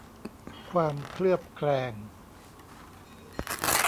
ความเคลือบแคลง